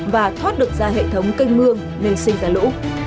và thoát được ra hệ thống canh mương nên sinh ra lũ